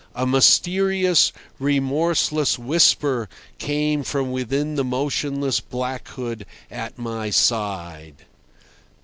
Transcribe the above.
A mysterious, remorseless whisper came from within the motionless black hood at my side.